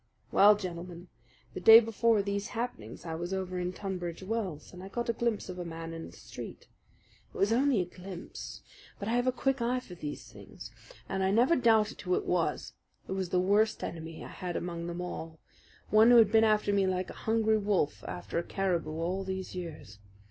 "Well, gentlemen, the day before these happenings I was over in Tunbridge Wells, and I got a glimpse of a man in the street. It was only a glimpse; but I have a quick eye for these things, and I never doubted who it was. It was the worst enemy I had among them all one who has been after me like a hungry wolf after a caribou all these years.